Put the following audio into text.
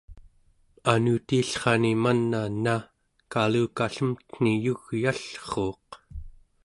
anutiillrani man'a ena kalukallemten̄i yugyallruuq